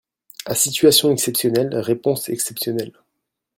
À situation exceptionnelle, réponses exceptionnelles.